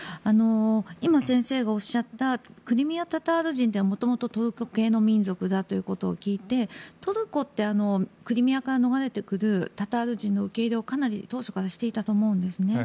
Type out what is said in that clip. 今、先生がおっしゃったクリミア・タタール人というのは元々、トルコ系の民族だということを聞いてトルコってクリミアから逃れてくるタタール人の受け入れをかなり当初からしていたと思うんですね。